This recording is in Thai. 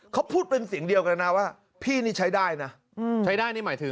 เขาพูดเป็นเสียงเดียวกันนะว่าพี่นี่ใช้ได้นะใช้ได้นี่หมายถึง